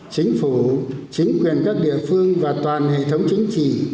chính phủ chính quyền các địa phương và toàn hệ thống chính trị